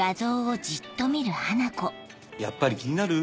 やっぱり気になる？